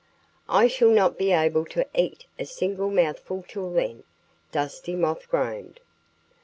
"I shall not be able to eat a single mouthful till then!" Dusty Moth groaned.